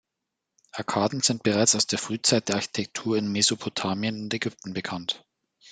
Arkaden sind bereits aus der Frühzeit der Architektur in Mesopotamien und Ägypten bekannt.